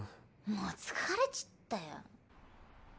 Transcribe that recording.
もう疲れちったよ。